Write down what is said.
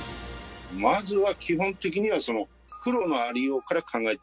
まずは基本的にはその黒のありようから考えていく。